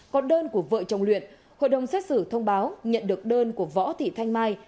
còn đơn của vợ chồng luyện hội đồng xét xử thông báo nhận được đơn của võ thị thanh mai